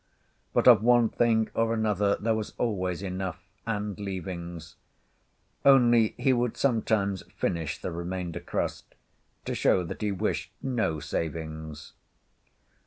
But of one thing or another there was always enough, and leavings: only he would sometimes finish the remainder crust, to show that he wished no savings.